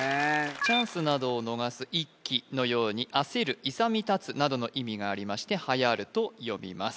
チャンスなどを逃す「逸機」のように焦る勇み立つなどの意味がありましてはやると読みます